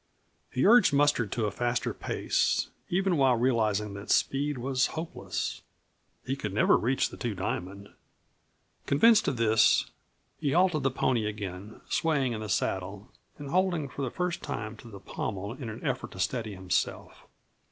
He urged Mustard to a faster pace, even while realizing that speed was hopeless. He could never reach the Two Diamond. Convinced of this, he halted the pony again, swaying in the saddle and holding, for the first time, to the pommel in an effort to steady himself.